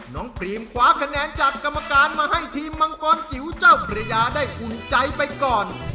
พรีมคว้าคะแนนจากกรรมการมาให้ทีมมังกรจิ๋วเจ้าพระยาได้อุ่นใจไปก่อน